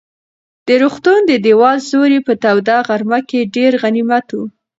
د روغتون د دېوال سیوری په توده غرمه کې ډېر غنیمت و.